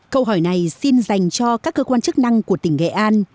câu hỏi này xin dành cho các cơ quan chức năng của tỉnh nghệ an